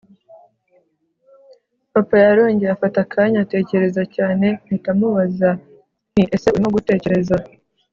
papa yarongeye afata akanya atekereza cyane mpita mubaza nti ese urimo gutekereza